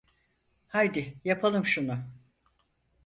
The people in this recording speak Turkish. Haydi yapalım şunu.